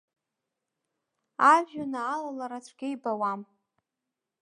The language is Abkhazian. Ажәҩана алалара цәгьа ибауам.